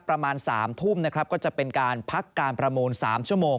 ประมาณ๓ทุ่มนะครับก็จะเป็นการพักการประมูล๓ชั่วโมง